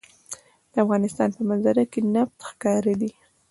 د افغانستان په منظره کې نفت ښکاره دي.